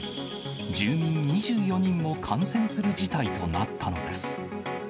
住民２４人も感染する事態となったのです。